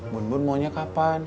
bun bun maunya kapan